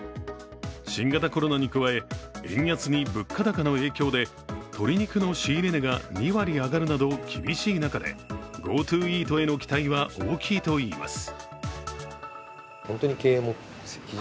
新型コロナに加え、円安に物価高の影響で鶏肉の仕入れ値が２割上がるなど厳しい中で、ＧｏＴｏイートへの期待は大きいといいます。